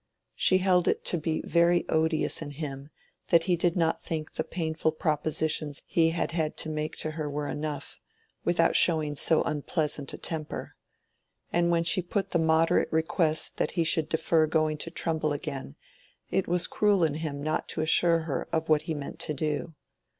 She held it to be very odious in him that he did not think the painful propositions he had had to make to her were enough, without showing so unpleasant a temper. And when she put the moderate request that he would defer going to Trumbull again, it was cruel in him not to assure her of what he meant to do.